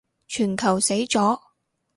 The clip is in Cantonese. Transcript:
全球死咗